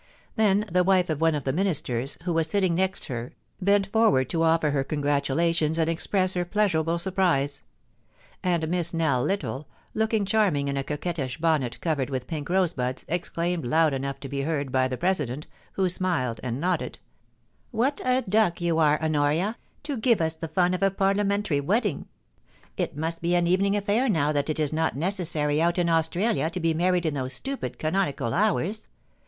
Then the wife of one of the Ministers, who was sitting next her, bent forward to offer her congratulations and express her pleasurable surprise; and Miss Nell Little, looking charming Jn a coquettish bonnet covered with pink rosebuds, exclaimed loud enough to be heard by the President, who f>miled and nodded :' What a duck you are, Honoria, to give us the fun of a Parliamentary wedding ! It must be an evening affair now that it is not necessary out in Australia to be married in those stupid canonical hours.